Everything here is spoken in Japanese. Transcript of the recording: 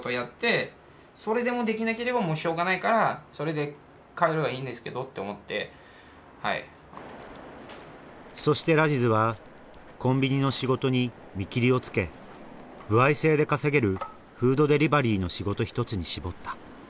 でもラジズは日本に残ることを決断したそしてラジズはコンビニの仕事に見切りをつけ歩合制で稼げるフードデリバリーの仕事一つに絞った。